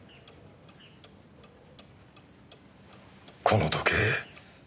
この時計